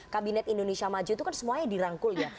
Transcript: kabinet indonesia maju itu kan semuanya dirangkul ya